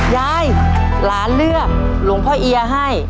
ยายหลานเลือกหลวงพ่อเอียให้